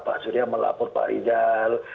pak surya melapor pak rizal